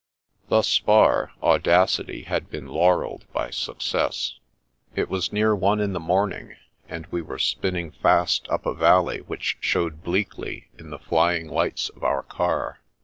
Thus far, audacity had been laurelled by success. It was near one in the morning, and we were spin ning fast up a valley which showed bleakly in the The Wings of the Wind 69 flying lights of our car.